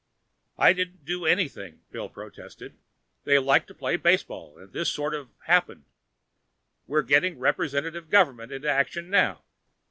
"I didn't do anything!" Bill protested. "They like to play baseball and this sort of happened. We're getting representative government into action now.